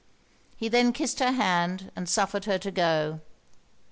He then kissed her hand, and suffered her to go.